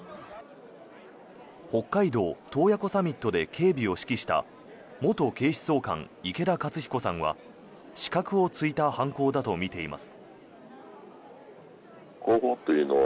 北海道・洞爺湖サミットで警備を指揮した元警視総監、池田克彦さんは死角を突いた犯行だとみています。